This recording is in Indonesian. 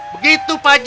begitu pak g